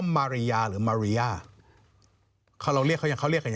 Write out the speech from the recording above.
มาริยา